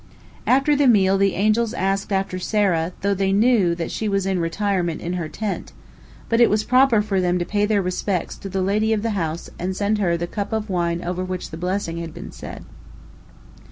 After the meal the angels asked after Sarah, though they knew that she was in retirement in her tent, but it was proper for them to pay their respects to the lady of the house and send her the cup of wine over which the blessing had been said.